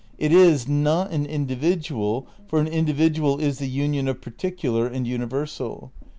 ... It is ... not an individual, for an individual is the union of particular and universal.